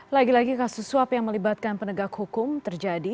lagi lagi kasus suap yang melibatkan penegak hukum terjadi